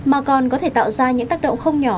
mà còn có thể tạo ra những tác động không nhỏ